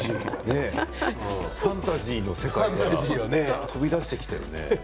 ファンタジーの世界から飛び出してきたよね。